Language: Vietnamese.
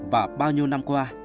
và bao nhiêu năm qua